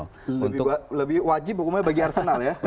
lebih wajib hukumnya bagi arsenal ya